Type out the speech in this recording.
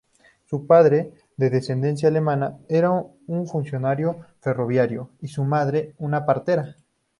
Su padre, de descendencia alemana, era un funcionario ferroviario, y su madre una partera.